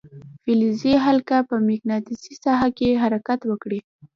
فلزي حلقه په مقناطیسي ساحه کې حرکت وکړي.